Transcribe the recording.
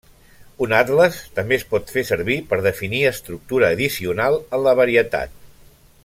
Un atles també es pot fer servir per definir estructura addicional en la varietat.